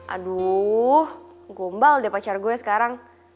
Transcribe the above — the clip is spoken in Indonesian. aduh gombal deh pacar gue sekarang